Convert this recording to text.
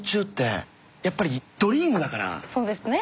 そうですね。